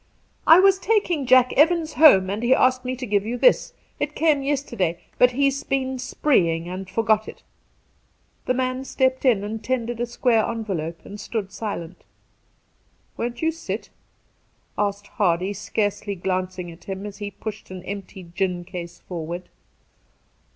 ' I was taking Jack Evans home and he asked me to give you this. It came yesterday, but he's been spreeing and forgot it.' The man stepped in and tendered a square envelope, and stood sUent. ' Won't you sit ?' asked Hardy, scarcely glancing at him as he pushed an empty gin case forward.